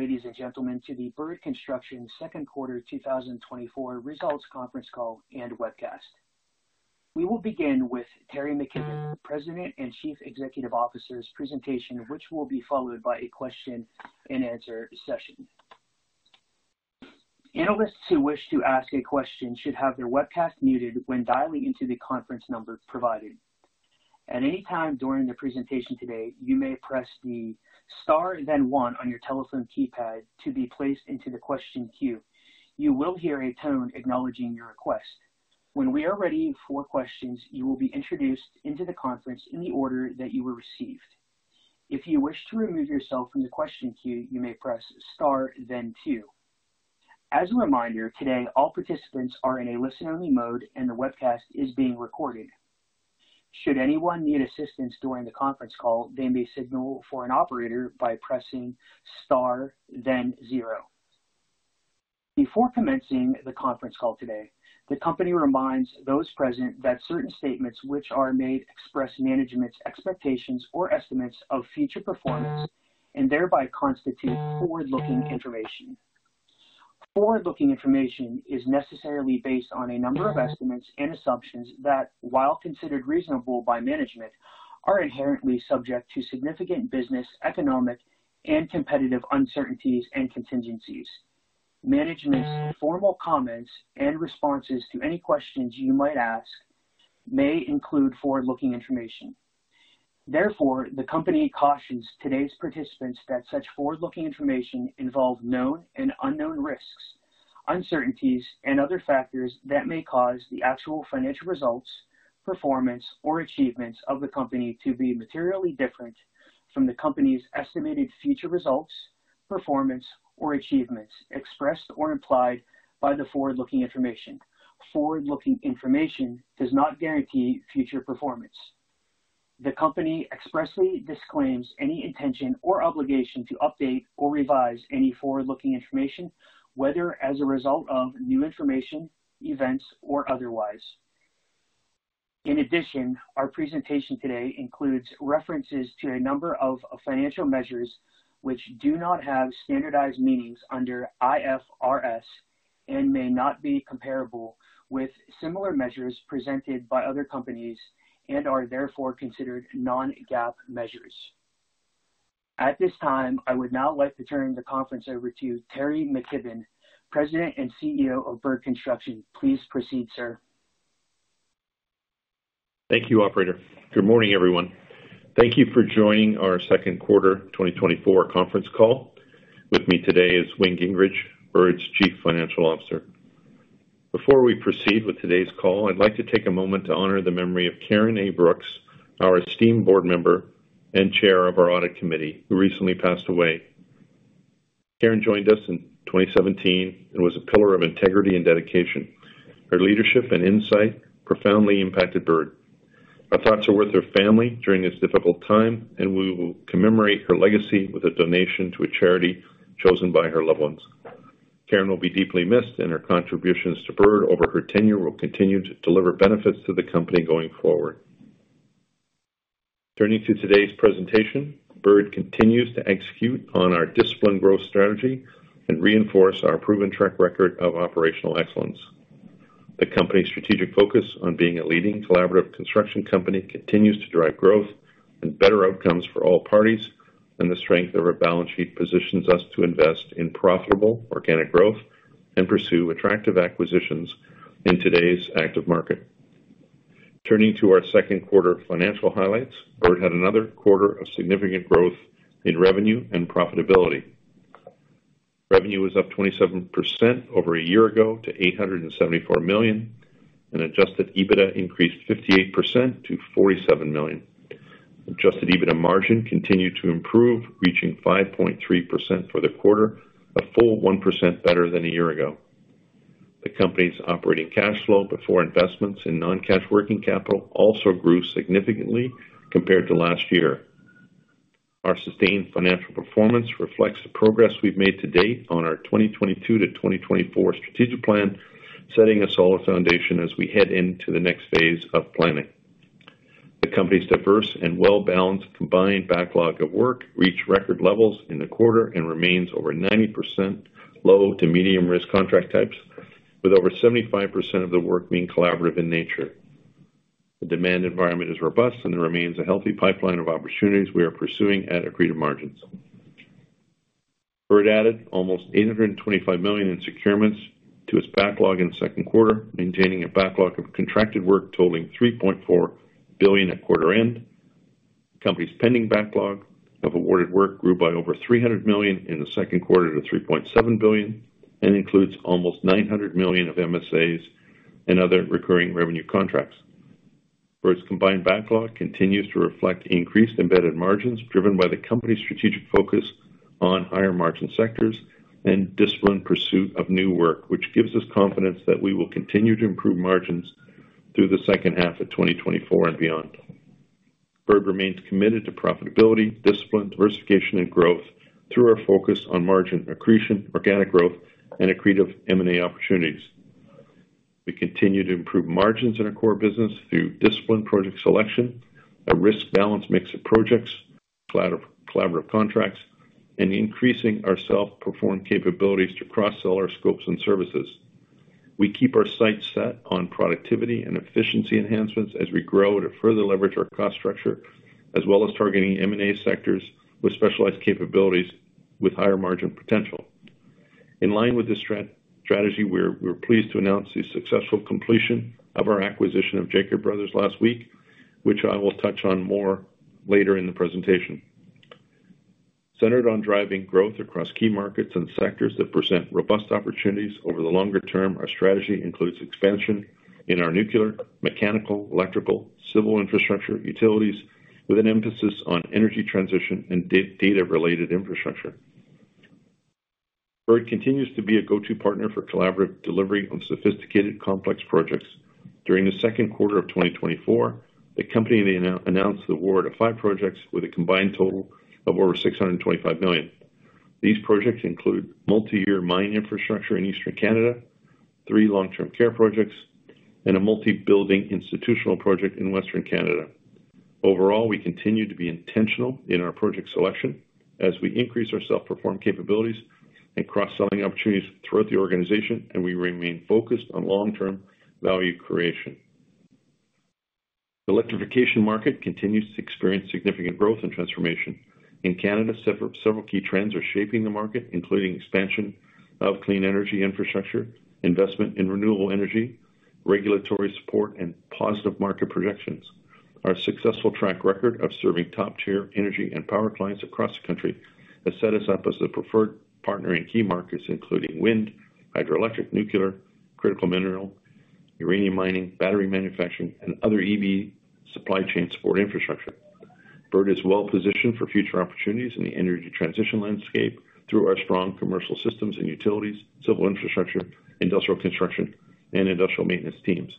Ladies and gentlemen, to the Bird Construction Second Quarter 2024 Results Conference Call and Webcast. We will begin with Teri McKibbon, President and Chief Executive Officer's presentation, which will be followed by a question and answer session. Analysts who wish to ask a question should have their webcast muted when dialing into the conference number provided. At any time during the presentation today, you may press the star, then one on your telephone keypad to be placed into the question queue. You will hear a tone acknowledging your request. When we are ready for questions, you will be introduced into the conference in the order that you were received. If you wish to remove yourself from the question queue, you may press star, then two. As a reminder, today, all participants are in a listen-only mode and the webcast is being recorded. Should anyone need assistance during the conference call, they may signal for an operator by pressing star, then zero. Before commencing the conference call today, the company reminds those present that certain statements which are made express management's expectations or estimates of future performance and thereby constitute forward-looking information. Forward-looking information is necessarily based on a number of estimates and assumptions that, while considered reasonable by management, are inherently subject to significant business, economic, and competitive uncertainties and contingencies. Management's formal comments and responses to any questions you might ask may include forward-looking information. Therefore, the company cautions today's participants that such forward-looking information involves known and unknown risks, uncertainties, and other factors that may cause the actual financial results, performance, or achievements of the company to be materially different from the company's estimated future results, performance, or achievements expressed or implied by the forward-looking information. Forward-looking information does not guarantee future performance. The company expressly disclaims any intention or obligation to update or revise any forward-looking information, whether as a result of new information, events, or otherwise. In addition, our presentation today includes references to a number of financial measures which do not have standardized meanings under IFRS and may not be comparable with similar measures presented by other companies and are therefore considered non-GAAP measures. At this time, I would now like to turn the conference over to Teri McKibbon, President and CEO of Bird Construction. Please proceed, sir. Thank you, operator. Good morning, everyone. Thank you for joining our second quarter 2024 conference call. With me today is Wayne Gingerich, Bird's Chief Financial Officer. Before we proceed with today's call, I'd like to take a moment to honor the memory of Karyn A. Brooks, our esteemed board member and chair of our audit committee, who recently passed away. Karyn joined us in 2017 and was a pillar of integrity and dedication. Her leadership and insight profoundly impacted Bird. Our thoughts are with her family during this difficult time, and we will commemorate her legacy with a donation to a charity chosen by her loved ones. Karyn will be deeply missed, and her contributions to Bird over her tenure will continue to deliver benefits to the company going forward. Turning to today's presentation, Bird continues to execute on our disciplined growth strategy and reinforce our proven track record of operational excellence. The company's strategic focus on being a leading collaborative construction company continues to drive growth and better outcomes for all parties, and the strength of our balance sheet positions us to invest in profitable organic growth and pursue attractive acquisitions in today's active market. Turning to our second quarter financial highlights, Bird had another quarter of significant growth in revenue and profitability. Revenue was up 27% over a year ago to 874 million, and Adjusted EBITDA increased 58% to 47 million. Adjusted EBITDA margin continued to improve, reaching 5.3% for the quarter, a full 1% better than a year ago. The company's operating cash flow before investments in non-cash working capital also grew significantly compared to last year. Our sustained financial performance reflects the progress we've made to date on our 2022-2024 strategic plan, setting a solid foundation as we head into the next phase of planning. The company's diverse and well-balanced combined backlog of work reached record levels in the quarter and remains over 90% low to medium risk contract types, with over 75% of the work being collaborative in nature. The demand environment is robust and there remains a healthy pipeline of opportunities we are pursuing at accretive margins. Bird added almost 825 million in securements to its backlog in the second quarter, maintaining a backlog of contracted work totaling 3.4 billion at quarter end. The company's pending backlog of awarded work grew by over 300 million in the second quarter to 3.7 billion and includes almost 900 million of MSAs and other recurring revenue contracts. Bird's combined backlog continues to reflect increased embedded margins, driven by the company's strategic focus on higher margin sectors and disciplined pursuit of new work, which gives us confidence that we will continue to improve margins through the second half of 2024 and beyond. Bird remains committed to profitability, discipline, diversification, and growth through our focus on margin accretion, organic growth, and accretive M&A opportunities. We continue to improve margins in our core business through disciplined project selection, a risk-balanced mix of projects, collaborative contracts, and increasing our self-performed capabilities to cross-sell our scopes and services. We keep our sights set on productivity and efficiency enhancements as we grow to further leverage our cost structure, as well as targeting M&A sectors with specialized capabilities with higher margin potential. In line with this strategy, we're pleased to announce the successful completion of our acquisition of Jacob Bros. last week, which I will touch on more later in the presentation. Centered on driving growth across key markets and sectors that present robust opportunities over the longer term, our strategy includes expansion in our nuclear, mechanical, electrical, civil infrastructure, utilities, with an emphasis on energy transition and data-related infrastructure. Bird continues to be a go-to partner for collaborative delivery on sophisticated, complex projects. During the second quarter of 2024, the company announced the award of five projects with a combined total of over 625 million. These projects include multi-year mine infrastructure in Eastern Canada, three long-term care projects, and a multi-building institutional project in Western Canada. Overall, we continue to be intentional in our project selection as we increase our self-perform capabilities and cross-selling opportunities throughout the organization, and we remain focused on long-term value creation. The electrification market continues to experience significant growth and transformation. In Canada, several key trends are shaping the market, including expansion of clean energy infrastructure, investment in renewable energy, regulatory support, and positive market projections. Our successful track record of serving top-tier energy and power clients across the country has set us up as the preferred partner in key markets, including wind, hydroelectric, nuclear, critical mineral, uranium mining, battery manufacturing, and other EV supply chain support infrastructure. Bird is well positioned for future opportunities in the energy transition landscape through our strong commercial systems and utilities, civil infrastructure, industrial construction, and industrial maintenance teams.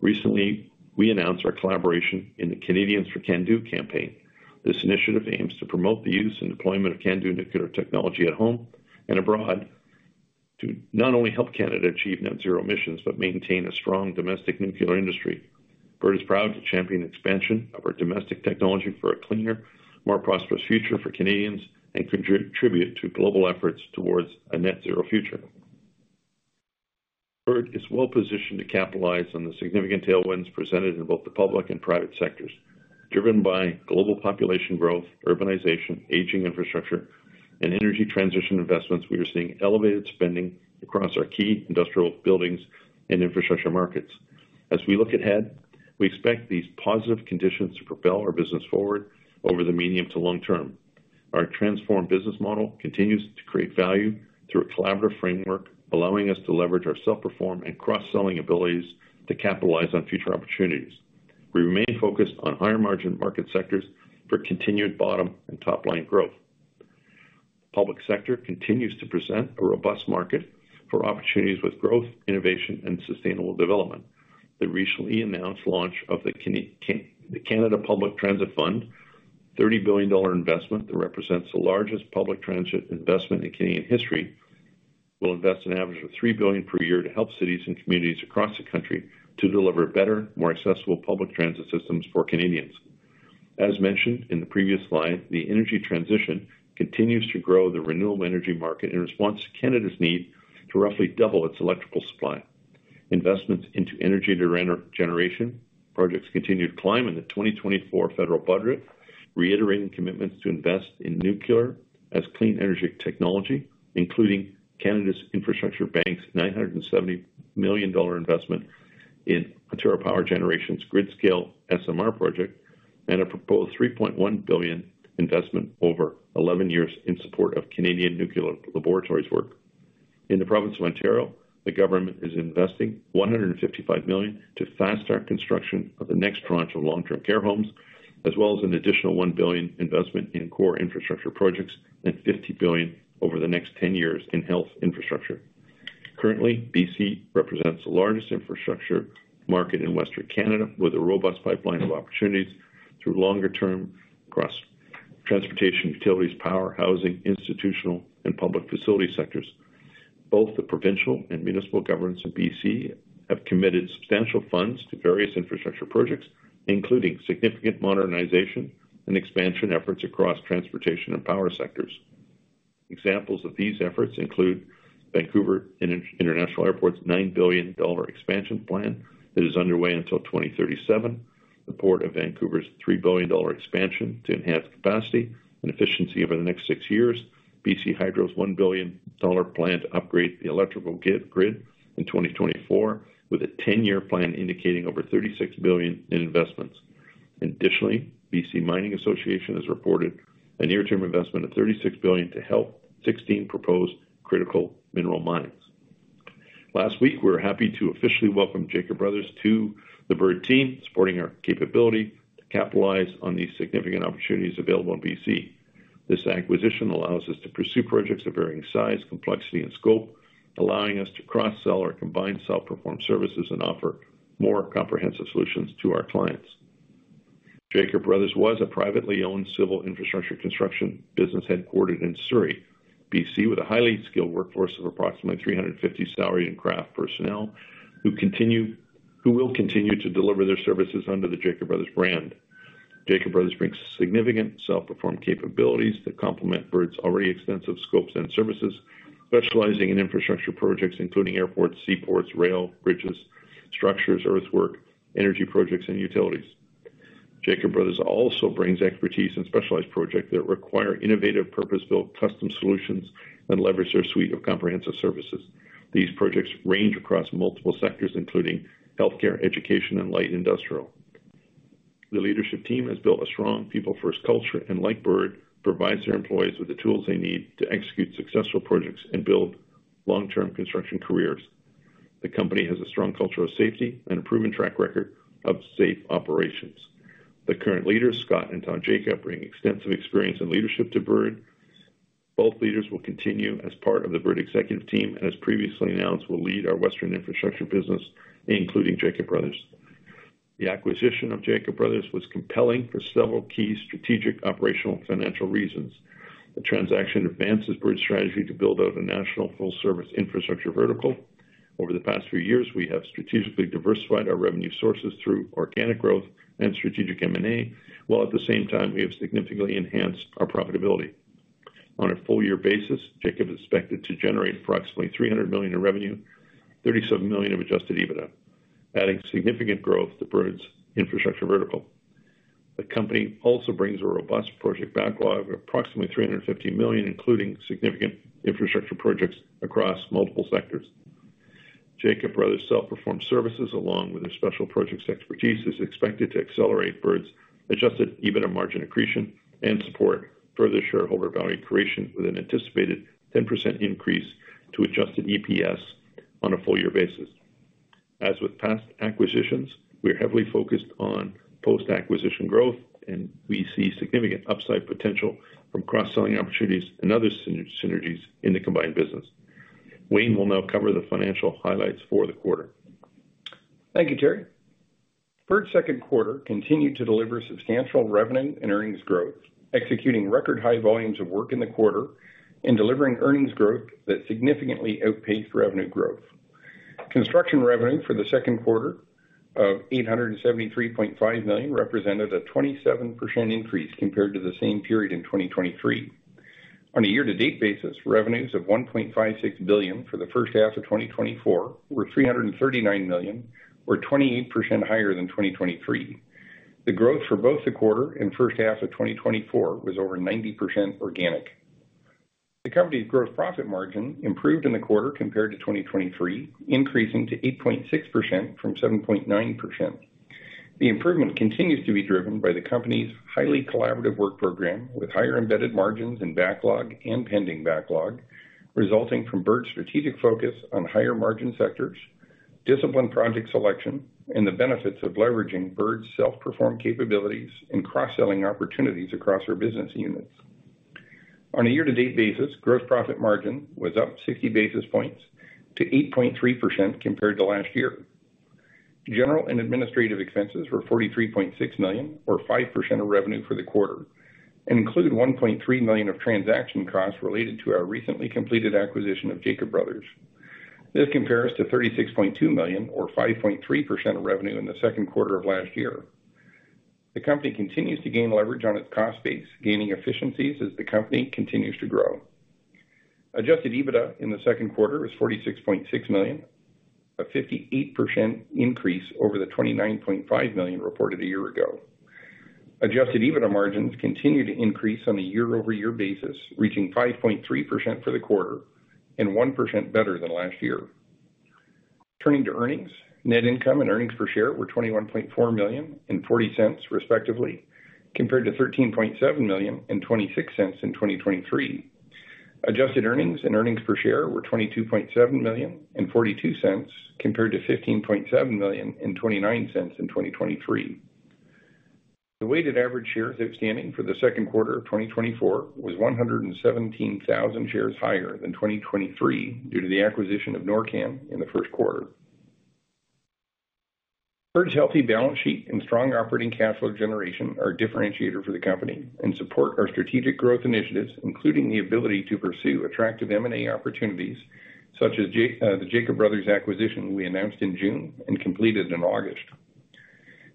Recently, we announced our collaboration in the Canadians for CANDU campaign. This initiative aims to promote the use and deployment of CANDU nuclear technology at home and abroad, to not only help Canada achieve net zero emissions, but maintain a strong domestic nuclear industry. Bird is proud to champion expansion of our domestic technology for a cleaner, more prosperous future for Canadians and contribute to global efforts towards a net zero future. Bird is well positioned to capitalize on the significant tailwinds presented in both the public and private sectors. Driven by global population growth, urbanization, aging infrastructure, and energy transition investments, we are seeing elevated spending across our key industrial buildings and infrastructure markets. As we look ahead, we expect these positive conditions to propel our business forward over the medium to long term. Our transformed business model continues to create value through a collaborative framework, allowing us to leverage our self-perform and cross-selling abilities to capitalize on future opportunities. We remain focused on higher-margin market sectors for continued bottom and top-line growth. Public sector continues to present a robust market for opportunities with growth, innovation, and sustainable development. The recently announced launch of the Canada Public Transit Fund, 30 billion dollar investment, that represents the largest public transit investment in Canadian history, will invest an average of 3 billion per year to help cities and communities across the country to deliver better, more accessible public transit systems for Canadians. As mentioned in the previous slide, the energy transition continues to grow the renewable energy market in response to Canada's need to roughly double its electrical supply. Investments into energy generation projects continued to climb in the 2024 federal budget, reiterating commitments to invest in nuclear as clean energy technology, including Canada Infrastructure Bank's 970 million dollar investment in Ontario Power Generation's grid-scale SMR project and a proposed 3.1 billion investment over 11 years in support of Canadian Nuclear Laboratories work. In the province of Ontario, the government is investing 155 million to fast-start construction of the next tranche of long-term care homes, as well as an additional 1 billion investment in core infrastructure projects and 50 billion over the next 10 years in health infrastructure. Currently, BC represents the largest infrastructure market in Western Canada, with a robust pipeline of opportunities through longer-term across transportation, utilities, power, housing, institutional, and public facility sectors. Both the provincial and municipal governments in BC have committed substantial funds to various infrastructure projects, including significant modernization and expansion efforts across transportation and power sectors. Examples of these efforts include Vancouver International Airport's 9 billion dollar expansion plan that is underway until 2037, the Port of Vancouver's 3 billion dollar expansion to enhance capacity and efficiency over the next six years, BC Hydro's 1 billion dollar plan to upgrade the electrical grid in 2024, with a ten-year plan indicating over 36 billion in investments. Additionally, Mining Association of British Columbia has reported a near-term investment of 36 billion to help 16 proposed critical mineral mines. Last week, we were happy to officially welcome Jacob Bros. to the Bird team, supporting our capability to capitalize on these significant opportunities available in BC. This acquisition allows us to pursue projects of varying size, complexity, and scope, allowing us to cross-sell our combined self-performed services and offer more comprehensive solutions to our clients. Jacob Bros. was a privately owned civil infrastructure construction business headquartered in Surrey, BC, with a highly skilled workforce of approximately 350 salaried and craft personnel, who will continue to deliver their services under the Jacob Bros. brand. Jacob Bros. brings significant self-performed capabilities that complement Bird's already extensive scopes and services, specializing in infrastructure projects, including airports, seaports, rail, bridges, structures, earthwork, energy projects, and utilities. Jacob Bros. also brings expertise in specialized projects that require innovative, purpose-built custom solutions and leverage their suite of comprehensive services. These projects range across multiple sectors, including healthcare, education, and light industrial. The leadership team has built a strong people-first culture, and like Bird, provides their employees with the tools they need to execute successful projects and build long-term construction careers. The company has a strong culture of safety and a proven track record of safe operations. The current leaders, Scott and Todd Jacob, bring extensive experience and leadership to Bird. Both leaders will continue as part of the Bird executive team, and as previously announced, will lead our Western infrastructure business, including Jacob Bros.. The acquisition of Jacob Bros. was compelling for several key strategic, operational, and financial reasons. The transaction advances Bird's strategy to build out a national full-service infrastructure vertical. Over the past few years, we have strategically diversified our revenue sources through organic growth and strategic M&A, while at the same time, we have significantly enhanced our profitability. On a full year basis, Jacob Bros. is expected to generate approximately 300 million in revenue, 37 million of Adjusted EBITDA, adding significant growth to Bird's infrastructure vertical. The company also brings a robust project backlog of approximately 350 million, including significant infrastructure projects across multiple sectors. Jacob Bros.' self-performed services, along with their special projects expertise, is expected to accelerate Bird's Adjusted EBITDA margin accretion and support further shareholder value creation, with an anticipated 10% increase to Adjusted EPS on a full year basis. As with past acquisitions, we are heavily focused on post-acquisition growth, and we see significant upside potential from cross-selling opportunities and other synergies in the combined business. Wayne will now cover the financial highlights for the quarter. Thank you, Teri. Bird's second quarter continued to deliver substantial revenue and earnings growth, executing record high volumes of work in the quarter and delivering earnings growth that significantly outpaced revenue growth. Construction revenue for the second quarter of 873.5 million represented a 27% increase compared to the same period in 2023. On a year-to-date basis, revenues of 1.56 billion for the first half of 2024 were 339 million, or 28% higher than 2023. The growth for both the quarter and first half of 2024 was over 90% organic. The company's gross profit margin improved in the quarter compared to 2023, increasing to 8.6% from 7.9%. The improvement continues to be driven by the company's highly collaborative work program, with higher embedded margins in backlog and pending backlog, resulting from Bird's strategic focus on higher-margin sectors, disciplined project selection, and the benefits of leveraging Bird's self-performed capabilities and cross-selling opportunities across our business units. On a year-to-date basis, gross profit margin was up 60 basis points to 8.3% compared to last year. General and administrative expenses were 43.6 million, or 5% of revenue for the quarter, and included 1.3 million of transaction costs related to our recently completed acquisition of Jacob Bros. This compares to 36.2 million, or 5.3% of revenue, in the second quarter of last year. The company continues to gain leverage on its cost base, gaining efficiencies as the company continues to grow. Adjusted EBITDA in the second quarter was 46.6 million, a 58% increase over the 29.5 million reported a year ago. Adjusted EBITDA margins continued to increase on a year-over-year basis, reaching 5.3% for the quarter and 1% better than last year. Turning to earnings, net income and earnings per share were 21.4 million and 0.40, respectively, compared to 13.7 million and 0.26 in 2023. Adjusted earnings and earnings per share were 22.7 million and 0.42, compared to 15.7 million and 0.29 in 2023. The weighted average shares outstanding for the second quarter of 2024 was 117,000 shares higher than 2023 due to the acquisition of NorCan in the first quarter. Bird's healthy balance sheet and strong operating cash flow generation are a differentiator for the company and support our strategic growth initiatives, including the ability to pursue attractive M&A opportunities such as the Jacob Bros. acquisition we announced in June and completed in August.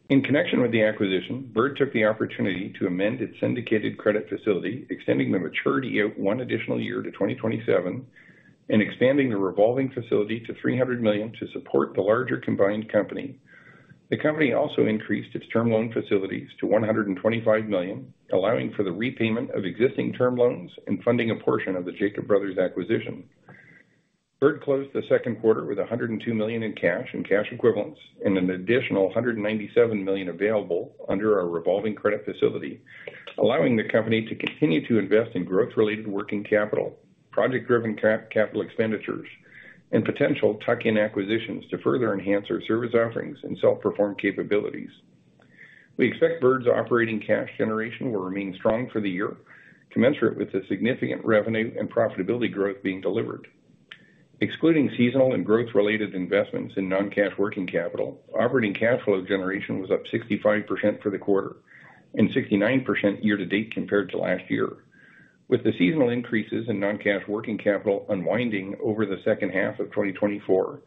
In connection with the acquisition, Bird took the opportunity to amend its syndicated credit facility, extending the maturity out one additional year to 2027 and expanding the revolving facility to 300 million to support the larger combined company. The company also increased its term loan facilities to 125 million, allowing for the repayment of existing term loans and funding a portion of the Jacob Bros. acquisition. Bird closed the second quarter with 102 million in cash and cash equivalents, and an additional 197 million available under our revolving credit facility, allowing the company to continue to invest in growth-related working capital, project-driven capital expenditures, and potential tuck-in acquisitions to further enhance our service offerings and self-performed capabilities. We expect Bird's operating cash generation will remain strong for the year, commensurate with the significant revenue and profitability growth being delivered. Excluding seasonal and growth-related investments in non-cash working capital, operating cash flow generation was up 65% for the quarter and 69% year-to-date compared to last year. With the seasonal increases in non-cash working capital unwinding over the second half of 2024,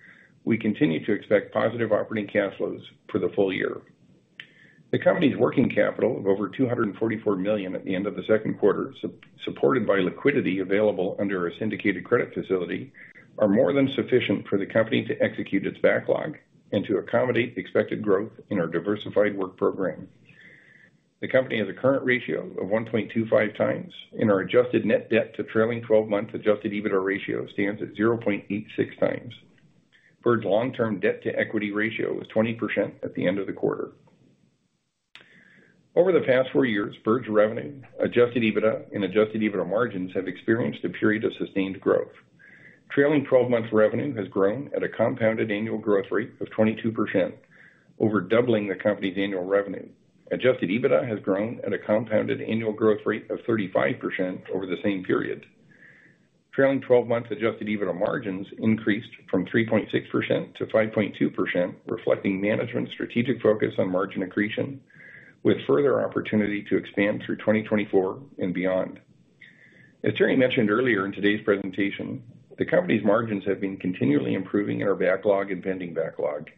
we continue to expect positive operating cash flows for the full year. The company's working capital of over 244 million at the end of the second quarter, supported by liquidity available under a syndicated credit facility, are more than sufficient for the company to execute its backlog and to accommodate the expected growth in our diversified work program. The company has a current ratio of 1.25 times, and our Adjusted net debt to trailing 12-month Adjusted EBITDA ratio stands at 0.86 times. Bird's long-term debt to equity ratio is 20% at the end of the quarter. Over the past 4 years, Bird's revenue, Adjusted EBITDA, and Adjusted EBITDA margins have experienced a period of sustained growth. Trailing 12-month revenue has grown at a compounded annual growth rate of 22%, over doubling the company's annual revenue. Adjusted EBITDA has grown at a compounded annual growth rate of 35% over the same period. Trailing twelve-month Adjusted EBITDA margins increased from 3.6% to 5.2%, reflecting management's strategic focus on margin accretion, with further opportunity to expand through 2024 and beyond. As Teri mentioned earlier in today's presentation, the company's margins have been continually improving in our backlog and pending backlog.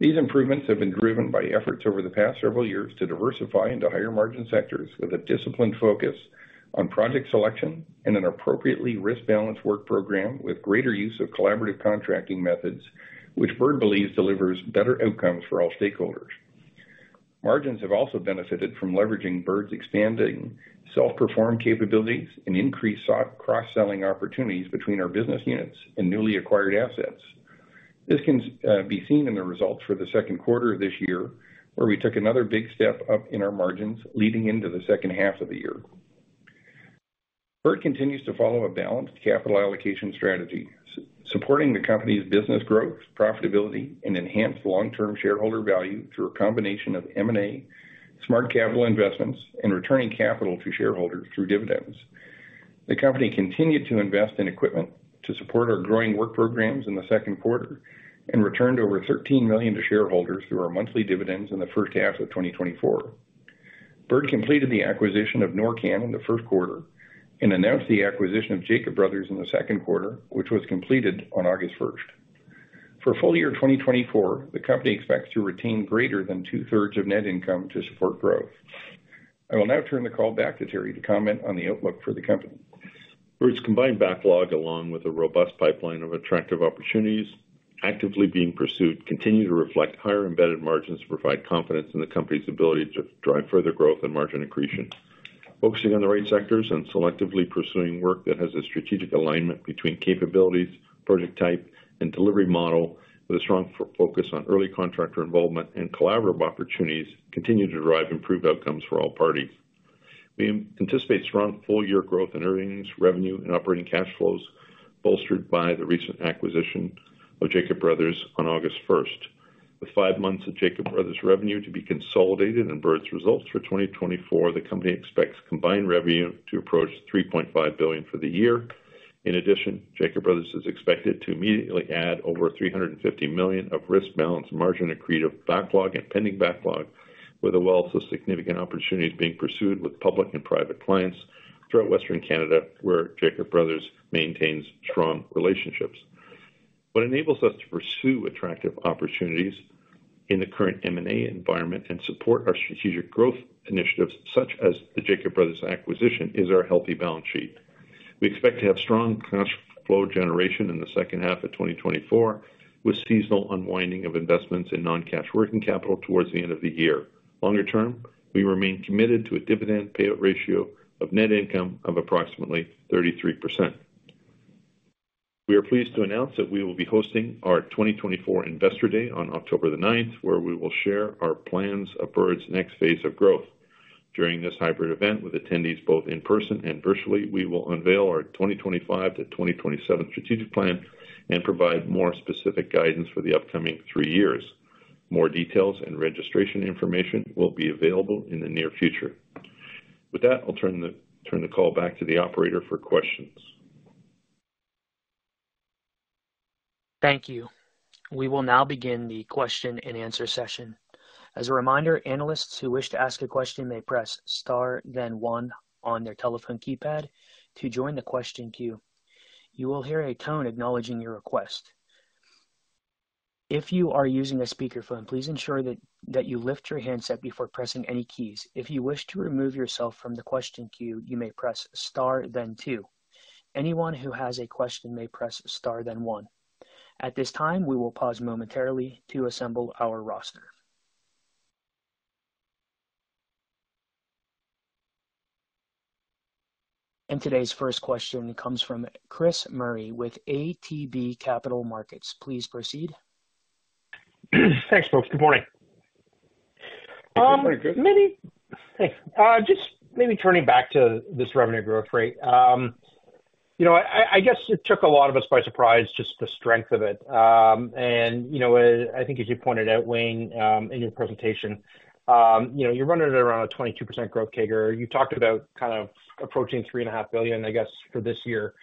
These improvements have been driven by efforts over the past several years to diversify into higher-margin sectors with a disciplined focus on project selection and an appropriately risk-balanced work program with greater use of collaborative contracting methods, which Bird believes delivers better outcomes for all stakeholders. Margins have also benefited from leveraging Bird's expanding self-performed capabilities and increased cross-selling opportunities between our business units and newly acquired assets. This can be seen in the results for the second quarter of this year, where we took another big step up in our margins leading into the second half of the year. Bird continues to follow a balanced capital allocation strategy, supporting the company's business growth, profitability, and enhanced long-term shareholder value through a combination of M&A, smart capital investments, and returning capital to shareholders through dividends. The company continued to invest in equipment to support our growing work programs in the second quarter and returned over 13 million to shareholders through our monthly dividends in the first half of 2024. Bird completed the acquisition of NorCan in the first quarter and announced the acquisition of Jacob Bros. in the second quarter, which was completed on August 1st. For full year 2024, the company expects to retain greater than two-thirds of net income to support growth. I will now turn the call back to Teri to comment on the outlook for the company. Bird's combined backlog, along with a robust pipeline of attractive opportunities actively being pursued, continue to reflect higher embedded margins, provide confidence in the company's ability to drive further growth and margin accretion. Focusing on the right sectors and selectively pursuing work that has a strategic alignment between capabilities, project type, and delivery model, with a strong focus on early contractor involvement and collaborative opportunities, continue to drive improved outcomes for all parties. We anticipate strong full-year growth in earnings, revenue, and operating cash flows, bolstered by the recent acquisition of Jacob Bros. on August 1st. With five months of Jacob Bros.' revenue to be consolidated in Bird's results for 2024, the company expects combined revenue to approach 3.5 billion for the year. In addition, Jacob Bros. is expected to immediately add over 350 million of risk-balanced, margin-accretive backlog and pending backlog, with a wealth of significant opportunities being pursued with public and private clients throughout Western Canada, where Jacob Bros. maintains strong relationships. What enables us to pursue attractive opportunities in the current M&A environment and support our strategic growth initiatives, such as the Jacob Bros. acquisition, is our healthy balance sheet. We expect to have strong cash flow generation in the second half of 2024, with seasonal unwinding of investments in non-cash working capital towards the end of the year. Longer term, we remain committed to a dividend payout ratio of net income of approximately 33%. We are pleased to announce that we will be hosting our 2024 Investor Day on October 9th, where we will share our plans of Bird's next phase of growth. During this hybrid event, with attendees both in person and virtually, we will unveil our 2025 to 2027 strategic plan and provide more specific guidance for the upcoming three years. More details and registration information will be available in the near future. With that, I'll turn the call back to the operator for questions. Thank you. We will now begin the question-and-answer session. As a reminder, analysts who wish to ask a question may press star, then one on their telephone keypad to join the question queue. You will hear a tone acknowledging your request. If you are using a speakerphone, please ensure that you lift your handset before pressing any keys. If you wish to remove yourself from the question queue, you may press star, then two. Anyone who has a question may press star, then one. At this time, we will pause momentarily to assemble our roster. Today's first question comes from Chris Murray with ATB Capital Markets. Please proceed. Thanks, folks. Good morning. Good morning, Chris. Maybe... Hey, just maybe turning back to this revenue growth rate. You know, I guess it took a lot of us by surprise, just the strength of it. And, you know, I think as you pointed out, Wayne, in your presentation, you know, you're running at around a 22% growth CAGR. You talked about kind of approaching 3.5 billion, I guess, for this year.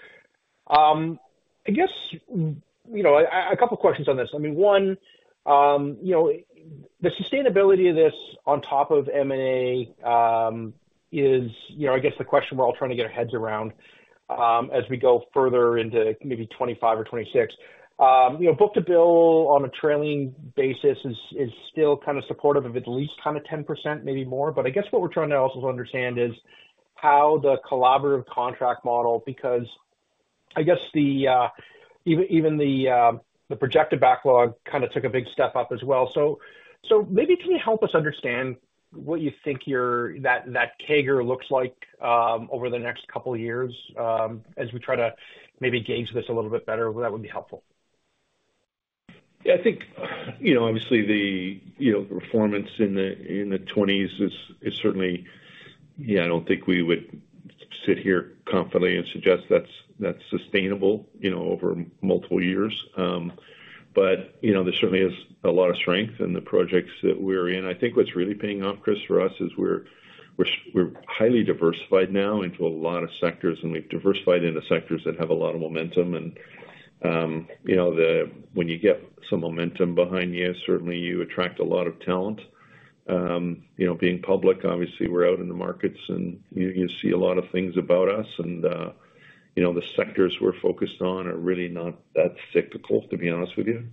I guess, you know, a couple questions on this. I mean, one, you know, the sustainability of this on top of M&A, is, you know, I guess the question we're all trying to get our heads around, as we go further into maybe 2025 or 2026. You know, book-to-bill on a trailing basis is still kind of supportive of at least kind of 10%, maybe more. But I guess what we're trying to also understand is how the collaborative contract model, because I guess even the projected backlog kind of took a big step up as well. So maybe can you help us understand what you think your—that CAGR looks like over the next couple of years as we try to maybe gauge this a little bit better, that would be helpful. Yeah, I think, you know, obviously the performance in the twenties is certainly... Yeah, I don't think we would sit here confidently and suggest that's sustainable, you know, over multiple years. But, you know, there certainly is a lot of strength in the projects that we're in. I think what's really paying off, Chris, for us, is we're highly diversified now into a lot of sectors, and we've diversified into sectors that have a lot of momentum. And, you know, when you get some momentum behind you, certainly you attract a lot of talent. You know, being public, obviously, we're out in the markets, and you see a lot of things about us and, you know, the sectors we're focused on are really not that cyclical, to be honest with you.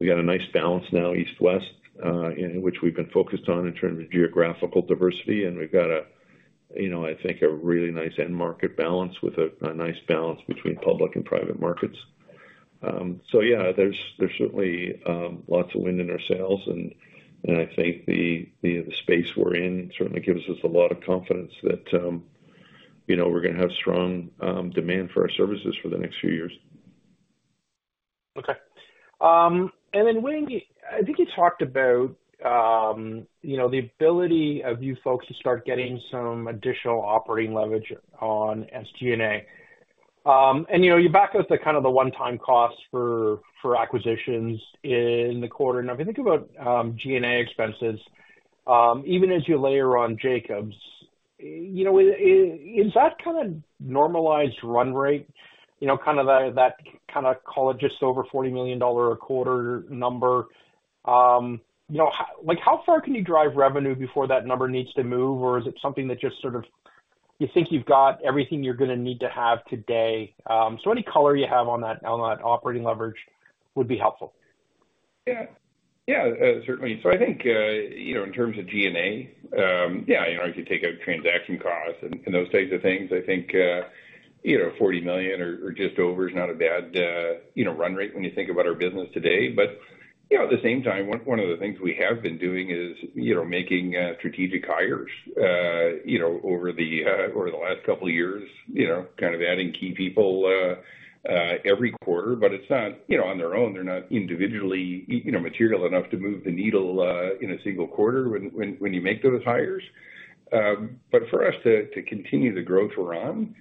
We got a nice balance now, east-west, in which we've been focused on in terms of geographical diversity, and we've got a, you know, I think, a really nice end market balance with a nice balance between public and private markets. So yeah, there's certainly lots of wind in our sails, and I think the space we're in certainly gives us a lot of confidence that, you know, we're gonna have strong demand for our services for the next few years. Okay. And then, Wayne, I think you talked about, you know, the ability of you folks to start getting some additional operating leverage on SG&A. And, you know, you back out the kind of the one-time costs for, for acquisitions in the quarter. Now, if you think about, G&A expenses, even as you layer on Jacobs, you know, is that kind of normalized run rate, you know, kind of the, that kind of call it just over 40 million dollar a quarter number? Like, how far can you drive revenue before that number needs to move, or is it something that just sort of you think you've got everything you're gonna need to have today? So any color you have on that, on that operating leverage would be helpful. Yeah. Yeah, certainly. So I think, you know, in terms of G&A, yeah, you know, if you take out transaction costs and, and those types of things, I think, you know, 40 million or just over is not a bad, you know, run rate when you think about our business today. But, you know, at the same time, one of the things we have been doing is, you know, making strategic hires, you know, over the last couple of years, you know, kind of adding key people every quarter. But it's not, you know, on their own, they're not individually, you know, material enough to move the needle in a single quarter when you make those hires. But for us to continue the growth we're on,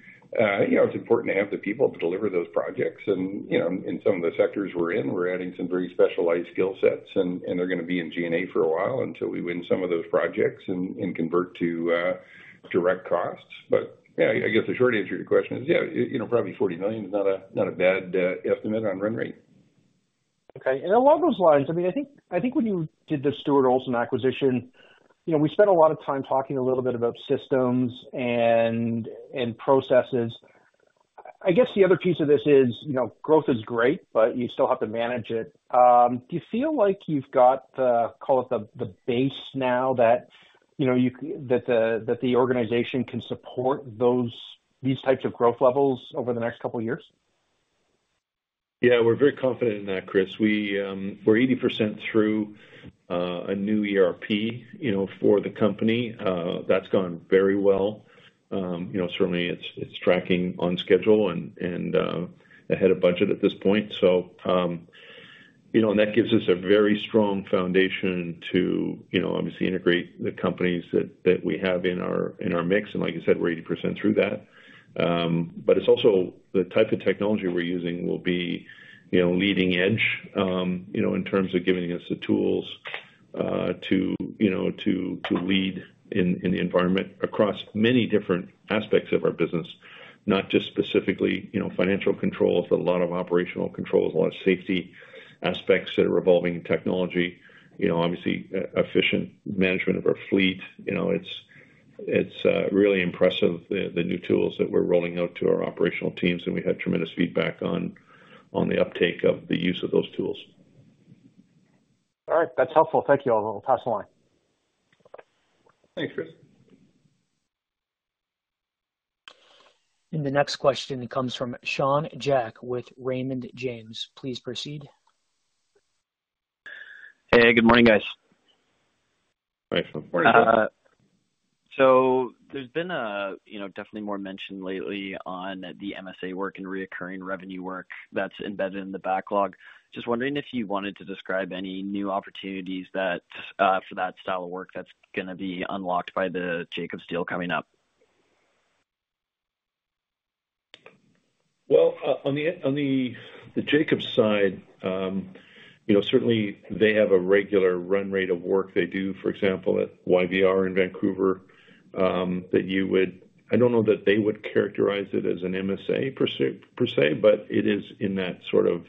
you know, it's important to have the people to deliver those projects. And, you know, in some of the sectors we're in, we're adding some very specialized skill sets, and they're gonna be in G&A for a while until we win some of those projects and convert to direct costs. But, yeah, I guess the short answer to your question is, yeah, you know, probably 40 million is not a, not a bad estimate on run rate. Okay. And along those lines, I mean, I think, I think when you did the Stuart Olson acquisition, you know, we spent a lot of time talking a little bit about systems and processes. I guess the other piece of this is, you know, growth is great, but you still have to manage it. Do you feel like you've got the, call it the, the base now that, you know, that the organization can support those—these types of growth levels over the next couple of years? Yeah, we're very confident in that, Chris. We're 80% through a new ERP, you know, for the company. That's gone very well. You know, certainly it's tracking on schedule and you know, and that gives us a very strong foundation to, you know, obviously integrate the companies that we have in our, in our mix. And like I said, we're 80% through that. But it's also the type of technology we're using will be, you know, leading edge, you know, in terms of giving us the tools to, you know, to lead in the environment across many different aspects of our business, not just specifically, you know, financial controls, a lot of operational controls, a lot of safety aspects that are evolving technology. You know, obviously, efficient management of our fleet, you know, it's really impressive, the new tools that we're rolling out to our operational teams, and we had tremendous feedback on the uptake of the use of those tools. All right. That's helpful. Thank you. I'll pass along. Thanks, Chris. The next question comes from Sean Jack with Raymond James. Please proceed. Hey, good morning, guys. Hi, Sean. Good morning. So, there's been a, you know, definitely more mention lately on the MSA work and recurring revenue work that's embedded in the backlog. Just wondering if you wanted to describe any new opportunities that for that style of work that's gonna be unlocked by the Jacobs deal coming up? Well, on the, on the, the Jacobs side, you know, certainly they have a regular run rate of work they do, for example, at YVR in Vancouver, that you would... I don't know that they would characterize it as an MSA per se, per se, but it is in that sort of-...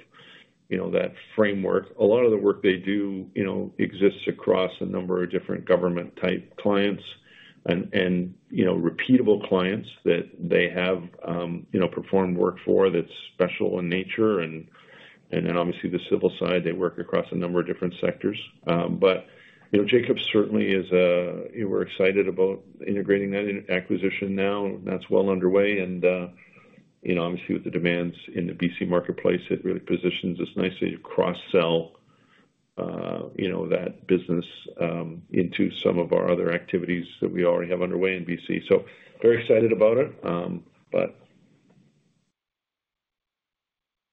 you know, that framework. A lot of the work they do, you know, exists across a number of different government-type clients and, and, you know, repeatable clients that they have, you know, performed work for that's special in nature, and, and then obviously, the civil side, they work across a number of different sectors. But, you know, Jacobs certainly is, we're excited about integrating that acquisition now, and that's well underway. You know, obviously, with the demands in the BC marketplace, it really positions us nicely to cross-sell, you know, that business, into some of our other activities that we already have underway in BC. So very excited about it,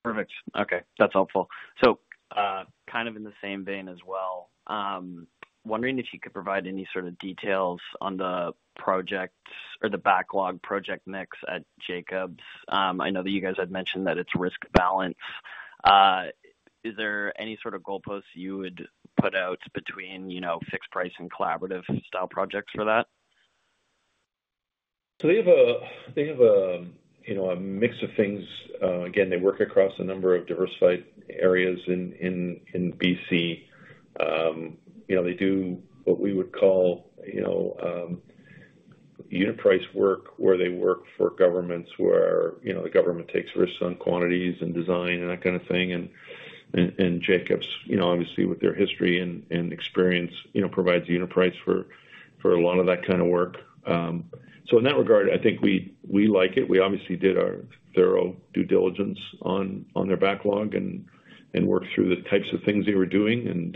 but- Perfect. Okay, that's helpful. So, kind of in the same vein as well, wondering if you could provide any sort of details on the projects or the backlog project mix at Jacobs. I know that you guys had mentioned that it's risk balanced. Is there any sort of goalposts you would put out between, you know, fixed price and collaborative style projects for that? So they have a mix of things. Again, they work across a number of diversified areas in BC. You know, they do what we would call unit price work, where they work for governments, where the government takes risks on quantities and design and that kind of thing. And Jacobs, you know, obviously with their history and experience, you know, provides a unit price for a lot of that kind of work. So in that regard, I think we like it. We obviously did our thorough due diligence on their backlog and worked through the types of things they were doing, and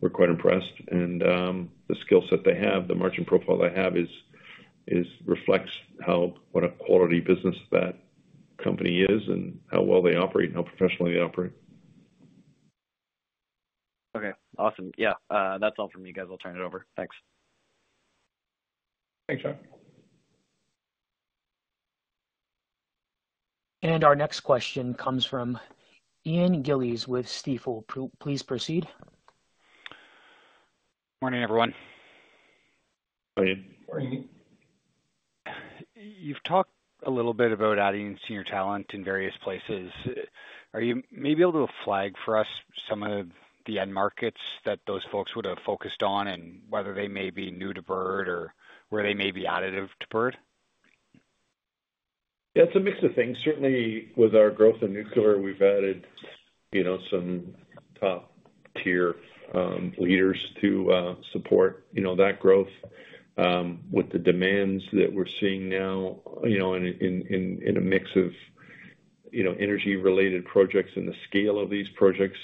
we're quite impressed. The skill set they have, the margin profile they have is reflects how what a quality business that company is and how well they operate and how professionally they operate. Okay, awesome. Yeah, that's all from me, guys. I'll turn it over. Thanks. Thanks, John. Our next question comes from Ian Gillies with Stifel. Please proceed. Morning, everyone. Good morning. You've talked a little bit about adding senior talent in various places. Are you maybe able to flag for us some of the end markets that those folks would have focused on, and whether they may be new to Bird or where they may be additive to Bird? Yeah, it's a mix of things. Certainly, with our growth in nuclear, we've added, you know, some top-tier leaders to support, you know, that growth. With the demands that we're seeing now, you know, in a mix of, you know, energy-related projects and the scale of these projects,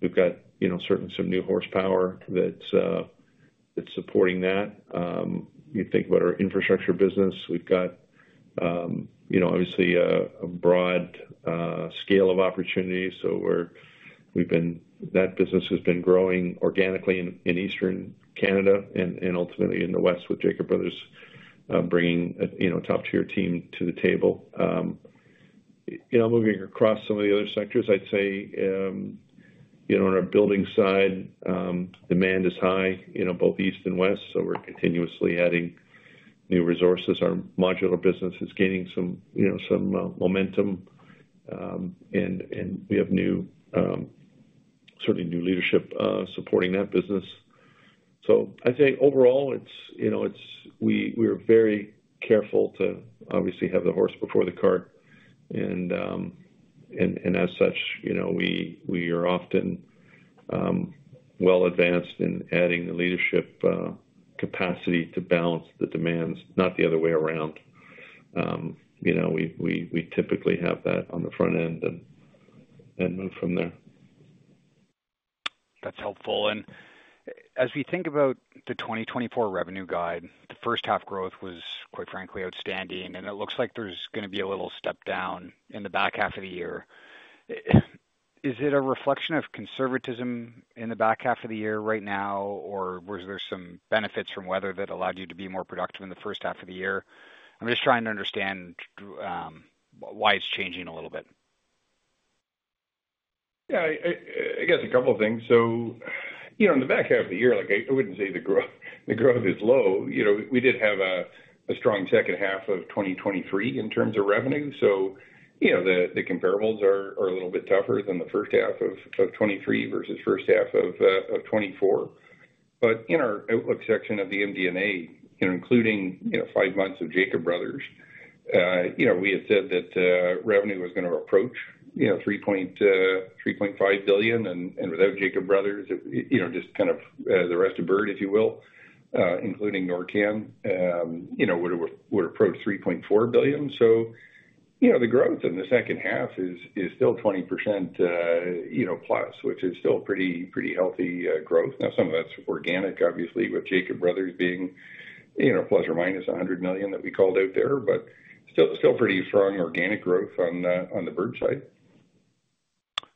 we've got, you know, certainly some new horsepower that's supporting that. You think about our infrastructure business, we've got, you know, obviously a broad scale of opportunities. So we've been. That business has been growing organically in Eastern Canada and ultimately in the West with Jacob Bros. bringing a, you know, top-tier team to the table. You know, moving across some of the other sectors, I'd say, you know, on our building side, demand is high, you know, both east and west, so we're continuously adding new resources. Our modular business is gaining some, you know, momentum, and we have new, certainly new leadership supporting that business. So I'd say overall, it's, you know, it's we're very careful to obviously have the horse before the cart. And as such, you know, we typically have that on the front end and move from there. That's helpful. As we think about the 2024 revenue guide, the first half growth was, quite frankly, outstanding, and it looks like there's gonna be a little step down in the back half of the year. Is it a reflection of conservatism in the back half of the year right now, or was there some benefits from weather that allowed you to be more productive in the first half of the year? I'm just trying to understand why it's changing a little bit. Yeah, I guess a couple of things. So, you know, in the back half of the year, like I wouldn't say the growth, the growth is low. You know, we did have a strong second half of 2023 in terms of revenue, so, you know, the comparables are a little bit tougher than the first half of 2023 versus first half of 2024. But in our outlook section of the MD&A, you know, including, you know, five months of Jacob Bros., you know, we had said that revenue was gonna approach, you know, 3.5 billion, and without Jacob Bros., it, you know, just kind of, the rest of Bird, if you will, including NorCan, you know, would approach 3.4 billion. So, you know, the growth in the second half is still 20%, you know, plus, which is still pretty, pretty healthy growth. Now, some of that's organic, obviously, with Jacob Bros. being, you know, ± 100 million that we called out there, but still, still pretty strong organic growth on the, on the Bird side.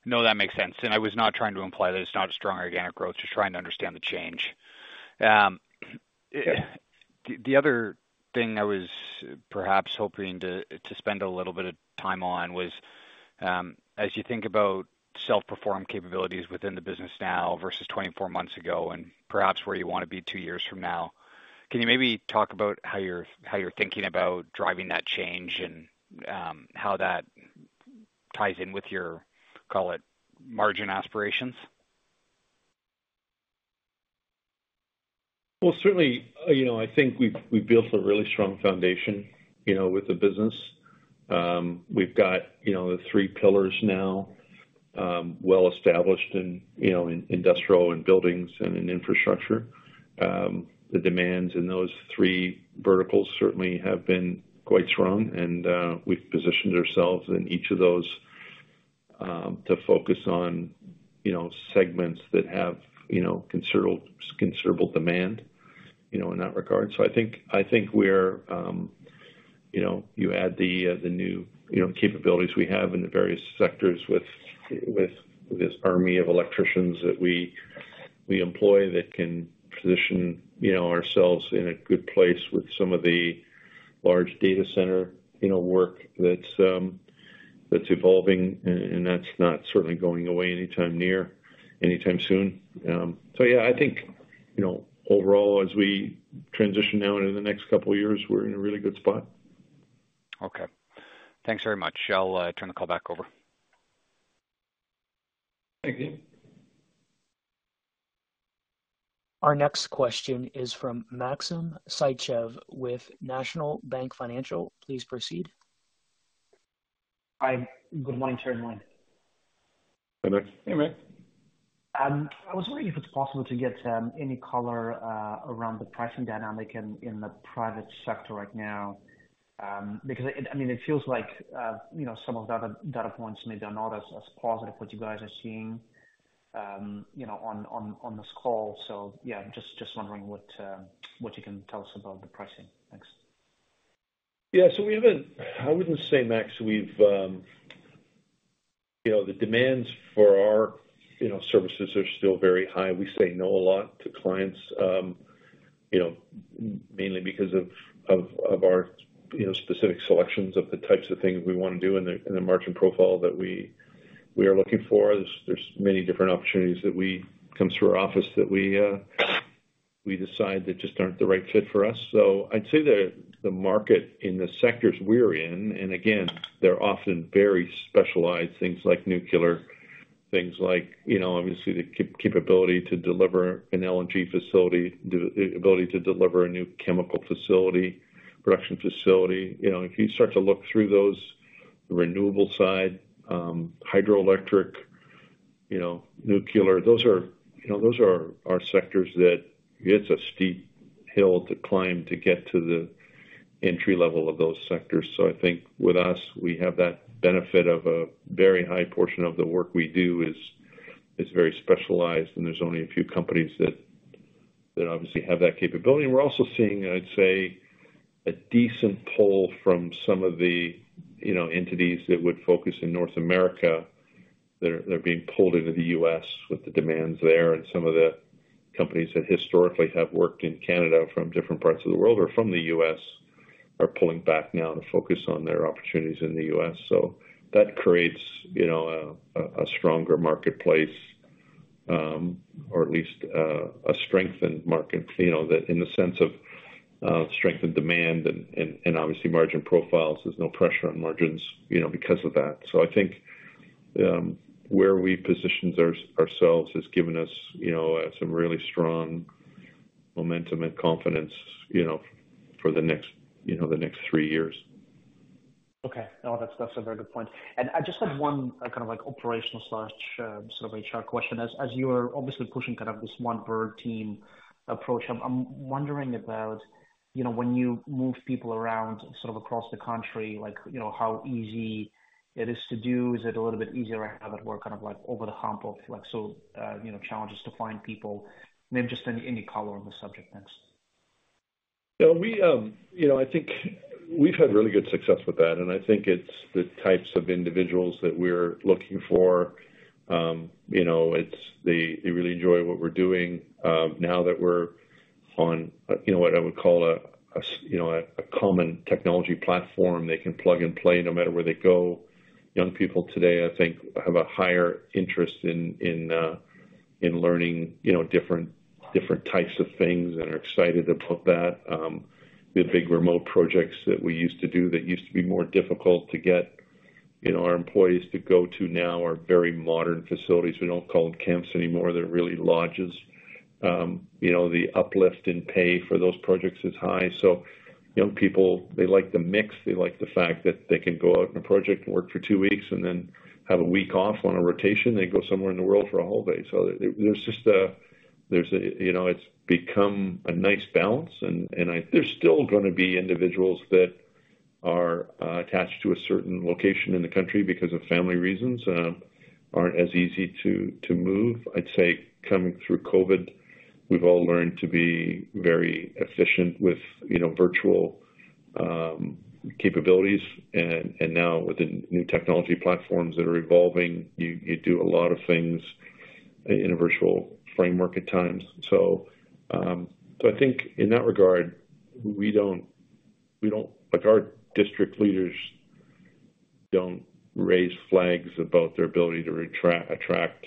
No, that makes sense. And I was not trying to imply that it's not a strong organic growth. Just trying to understand the change. The other thing I was perhaps hoping to spend a little bit of time on was, as you think about self-performed capabilities within the business now versus 24 months ago, and perhaps where you want to be two years from now, can you maybe talk about how you're thinking about driving that change and how that ties in with your, call it, margin aspirations?... Well, certainly, you know, I think we've built a really strong foundation, you know, with the business. We've got, you know, the three pillars now, well established in, you know, in industrial and buildings and in infrastructure. The demands in those three verticals certainly have been quite strong, and, we've positioned ourselves in each of those, to focus on, you know, segments that have, you know, considerable, considerable demand, you know, in that regard. So I think we're, you know, you add the, the new, you know, capabilities we have in the various sectors with, with this army of electricians that we, we employ, that can position, you know, ourselves in a good place with some of the large data center, you know, work that's, that's not certainly going away anytime soon. So yeah, I think, you know, overall, as we transition now and in the next couple of years, we're in a really good spot. Okay. Thanks very much. I'll turn the call back over. Thank you. Our next question is from Maxim Sytchev, with National Bank Financial. Please proceed. Hi. Good morning, Teri and Wayne. Hey, Max. Hey, Max. I was wondering if it's possible to get any color around the pricing dynamic in the private sector right now. Because it, I mean, it feels like, you know, some of the data, data points maybe are not as positive what you guys are seeing, you know, on this call. So yeah, just wondering what you can tell us about the pricing. Thanks. Yeah, so I wouldn't say, Max. We've, you know, the demands for our, you know, services are still very high. We say no a lot to clients, you know, mainly because of our, you know, specific selections of the types of things we wanna do and the margin profile that we are looking for. There's many different opportunities that come through our office that we decide that just aren't the right fit for us. So I'd say that the market in the sectors we're in, and again, they're often very specialized things like nuclear, things like, you know, obviously, the capability to deliver an LNG facility, the ability to deliver a new chemical facility, production facility. You know, if you start to look through those, the renewable side, hydroelectric, you know, nuclear, those are, you know, those are our sectors that it's a steep hill to climb to get to the entry level of those sectors. So I think with us, we have that benefit of a very high portion of the work we do is very specialized, and there's only a few companies that obviously have that capability. And we're also seeing, I'd say, a decent pull from some of the, you know, entities that would focus in North America. They're being pulled into the US with the demands there, and some of the companies that historically have worked in Canada from different parts of the world or from the US, are pulling back now to focus on their opportunities in the US. So that creates, you know, a stronger marketplace, or at least a strengthened market, you know, that in the sense of strengthened demand and obviously margin profiles. There's no pressure on margins, you know, because of that. So I think where we've positioned ourselves has given us, you know, some really strong momentum and confidence, you know, for the next, you know, the next three years. Okay. No, that's, that's a very good point. And I just have one, kind of like operational slash, sort of HR question. As you are obviously pushing kind of this one Bird team approach, I'm wondering about, you know, when you move people around, sort of across the country, like, you know, how easy it is to do? Is it a little bit easier now that we're kind of like over the hump of like, so, you know, challenges to find people? Maybe just any color on the subject. Thanks. Yeah, we, you know, I think we've had really good success with that, and I think it's the types of individuals that we're looking for. You know, it's they, they really enjoy what we're doing. Now that we're on, you know, what I would call a common technology platform, they can plug and play no matter where they go. Young people today, I think, have a higher interest in learning, you know, different types of things and are excited about that. The big remote projects that we used to do that used to be more difficult to get, you know, our employees to go to now are very modern facilities. We don't call them camps anymore, they're really lodges. You know, the uplift in pay for those projects is high. So young people, they like the mix. They like the fact that they can go out on a project, work for two weeks, and then have a week off on a rotation. They go somewhere in the world for a holiday. So, you know... It's become a nice balance, and there's still gonna be individuals that are attached to a certain location in the country because of family reasons, aren't as easy to move. I'd say coming through COVID, we've all learned to be very efficient with, you know, virtual capabilities. And now with the new technology platforms that are evolving, you do a lot of things in a virtual framework at times. So, I think in that regard, we don't—like, our district leaders don't raise flags about their ability to attract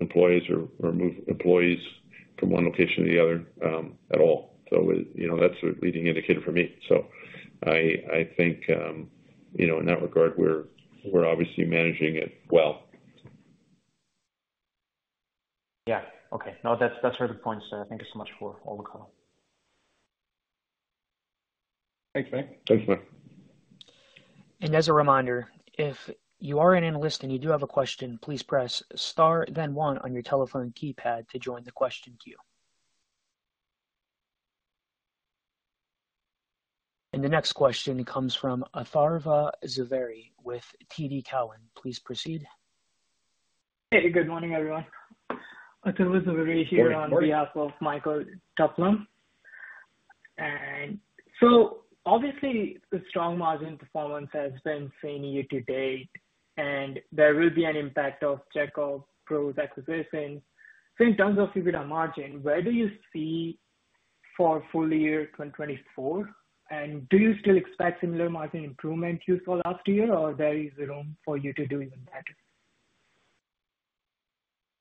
employees or move employees from one location to the other, at all. So, you know, that's a leading indicator for me. So, I think, you know, in that regard, we're obviously managing it well. Yeah. Okay. No, that's, that's a good point, sir. Thank you so much for all the color. Thanks, Mike. As a reminder, if you are an analyst and you do have a question, please press Star, then one on your telephone keypad to join the question queue. The next question comes from Atharva Zaveri with TD Cowen. Please proceed. Hey, good morning, everyone. Atharva Zaveri here- Good morning. On behalf of Michael Tupholme. So obviously, the strong margin performance has been seen year to date, and there will be an impact of Jacob Bros. acquisition. In terms of EBITDA margin, where do you see for full year 2024? And do you still expect similar margin improvement you saw last year, or there is room for you to do even better?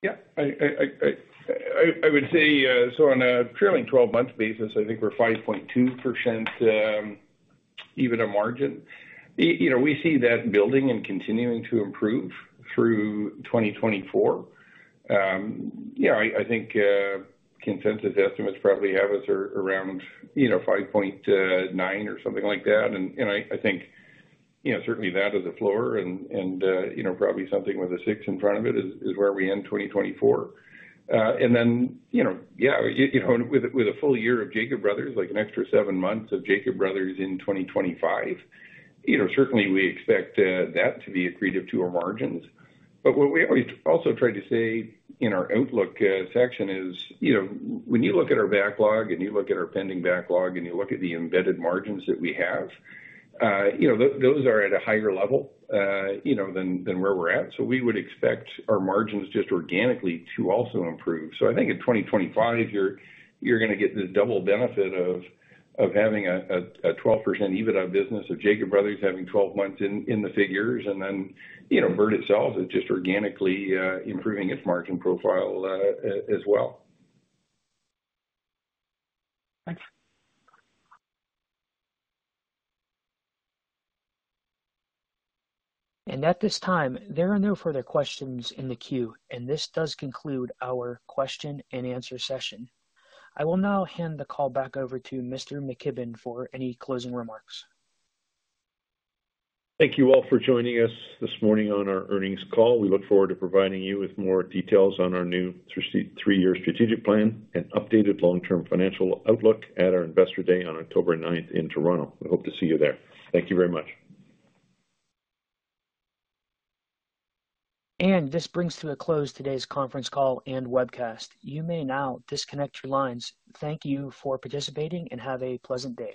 Yeah, I would say, so on a trailing twelve-month basis, I think we're 5.2% EBITDA margin. You know, we see that building and continuing to improve through 2024. Yeah, I think consensus estimates probably have us around, you know, 5.9 or something like that. And, you know, I think certainly that is a floor and, you know, probably something with a six in front of it is where we end 2024. And then, you know, yeah, you know, with a full year of Jacob Bros., like an extra seven months of Jacob Bros. in 2025, you know, certainly we expect that to be accretive to our margins. But what we also tried to say in our outlook section is, you know, when you look at our backlog and you look at our pending backlog and you look at the embedded margins that we have, you know, those are at a higher level, you know, than where we're at. So we would expect our margins just organically to also improve. So I think in 2025, you're gonna get the double benefit of having a 12% EBITDA business, of Jacob Bros. having 12 months in the figures, and then, you know, Bird itself is just organically improving its margin profile, as well. Thanks. At this time, there are no further questions in the queue, and this does conclude our question and answer session. I will now hand the call back over to Mr. McKibbon for any closing remarks. Thank you all for joining us this morning on our earnings call. We look forward to providing you with more details on our new three-year strategic plan and updated long-term financial outlook at our Investor Day on October ninth in Toronto. We hope to see you there. Thank you very much. This brings to a close today's conference call and webcast. You may now disconnect your lines. Thank you for participating and have a pleasant day.